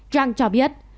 zhang cho biết